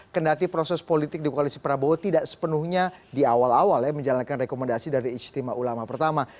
kendati proses politik di koalisi prabowo tidak sepenuhnya di awal awal ya menjalankan rekomendasi dari ijtima ulama pertama